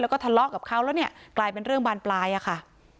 แล้วก็ทะเลาะกับเขาแล้วเนี่ยกลายเป็นเรื่องบานปลายอะค่ะ